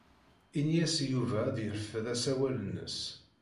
Ini-as i Yuba ad yerfed asawal-nnes.